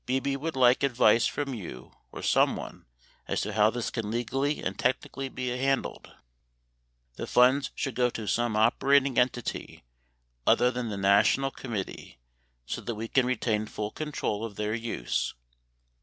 Bebe would like advice from you or someone as to how this can legally and technically be handled. The funds should go to some operating entity other than the national committee so that we can retain full control of their use.